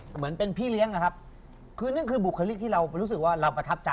เหมือนเป็นพี่เลี้ยงนะครับ